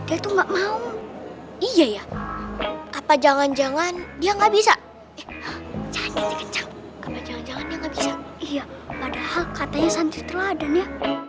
yaitu enggak mau iya ya apa jangan jangan dia gak bisa jangan jangan yang iya padahal katanya